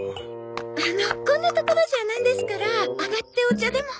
あのこんなところじゃなんですから上がってお茶でも。